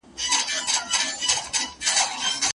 کتاب د انسان لپاره يو لارښود دی چي د ژوند لاره روښانه کوي.